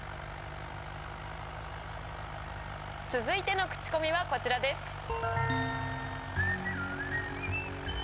続いてのクチコミはこちらです。